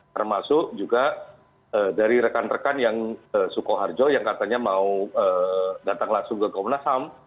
termasuk juga dari rekan rekan yang sukoharjo yang katanya mau datang langsung ke komnas ham